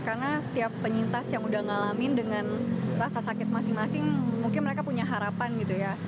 karena setiap penyintas yang udah ngalamin dengan rasa sakit masing masing mungkin mereka punya harapan gitu ya